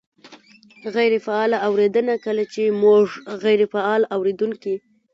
-غیرې فعاله اورېدنه : کله چې مونږ غیرې فعال اورېدونکي